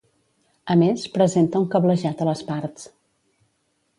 A més, presenta un cablejat a les parts.